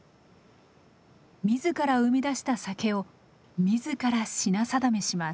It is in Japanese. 自ら生み出した酒を自ら品定めします。